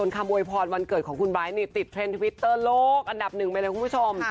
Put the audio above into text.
โวยพรวันเกิดของคุณไบท์นี่ติดเทรนด์ทวิตเตอร์โลกอันดับหนึ่งไปเลยคุณผู้ชม